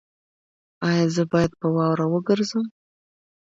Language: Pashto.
ایا زه باید په واوره وګرځم؟